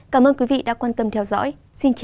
cảm ơn quý vị đã quan tâm theo dõi xin chào và hẹn gặp lại